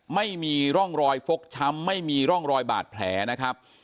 ไม่มีร่องรอยฟกช้ำไม่มีร่องรอยบาดแผลนะครับ